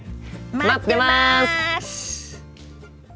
待ってます！